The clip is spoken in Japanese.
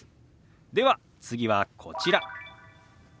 では次はこちら。